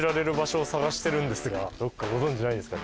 どっかご存じないですか？